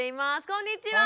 こんにちは！